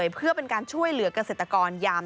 เพื่อเป็นการช่วยเหลือกเกษตรกรยาม